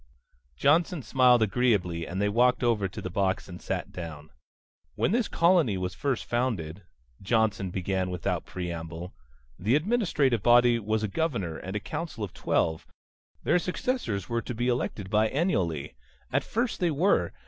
Johnson smiled agreeably and they walked over to the box and sat down. "When this colony was first founded," Johnson began without preamble, "the administrative body was a governor, and a council of twelve. Their successors were to be elected biennially. At first they were.